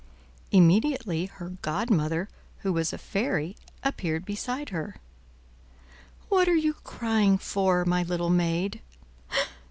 Immediately her godmother, who was a fairy, appeared beside her. "What are you crying for, my little maid?"